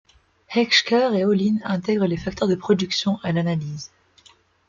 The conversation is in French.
Heckscher et Ohlin intègrent les facteurs de production à l’analyse.